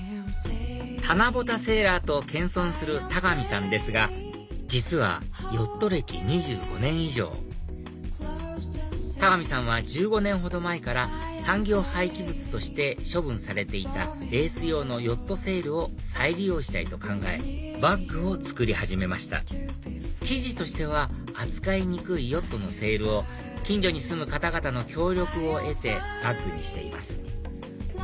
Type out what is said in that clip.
棚ぼたセーラーと謙遜する田上さんですが実はヨット歴２５年以上田上さんは１５年ほど前から産業廃棄物として処分されていたレース用のヨットセールを再利用したいと考えバッグを作り始めました生地としては扱いにくいヨットのセールを近所に住む方々の協力を得てバッグにしています